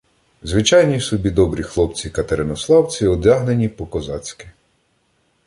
Звичайні собі добрі хлопці-катеринославці, одягнені по-козацьки.